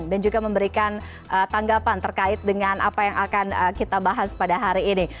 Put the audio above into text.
dan juga memberikan tanggapan terkait dengan apa yang akan kita bahas pada hari ini